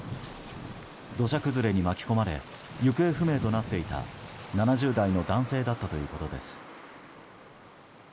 土砂崩れに巻き込まれ行方不明となっていた７０代の男性だったということです。